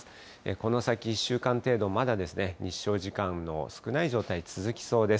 この先１週間程度、まだ、日照時間の少ない状態、続きそうです。